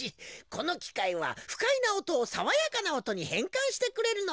このきかいはふかいなおとをさわやかなおとにへんかんしてくれるのだ。